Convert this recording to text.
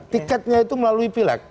tiketnya itu melalui pilak